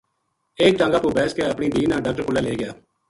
ایک ٹانگہ پو بیس کے اپنی دھی نا ڈاکٹر کولے لے گیا